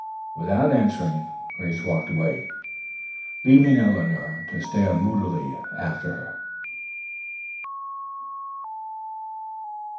Without answering, Grace walked away, leaving Eleanor to stare moodily after her.